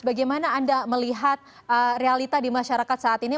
bagaimana anda melihat realita di masyarakat saat ini